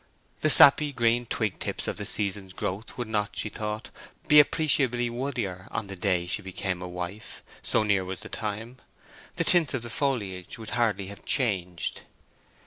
The sappy green twig tips of the season's growth would not, she thought, be appreciably woodier on the day she became a wife, so near was the time; the tints of the foliage would hardly have changed.